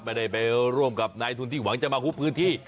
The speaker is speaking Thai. ไม่ได้ไปร่วมกับนายทุนที่หวังจะมาฮุบพื้นที่